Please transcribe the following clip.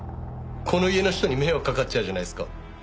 この家の人に迷惑かかっちゃうじゃないですか。